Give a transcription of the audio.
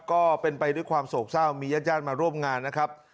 ก็เป็นไปด้วยความสกส้าวมีย่ามาร่วมงานนะครับ